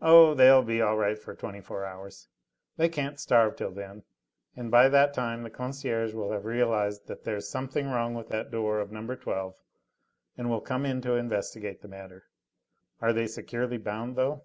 "Oh! they'll be all right for twenty four hours. They can't starve till then, and by that time the concierge will have realised that there's something wrong with the door of No. 12 and will come in to investigate the matter. Are they securely bound, though?"